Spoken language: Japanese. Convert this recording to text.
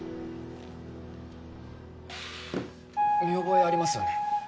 見覚えありますよね？